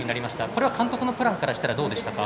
これは監督のプランからしたらどうでしたか。